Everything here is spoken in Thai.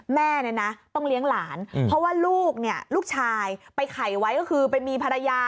แม่ต้องเลี้ยงหลานเพราะว่าลูกลูกชายไปไขว้ก็คือไปมีภรรยา